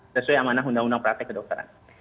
sesuai yang mana undang undang praktek kedokteran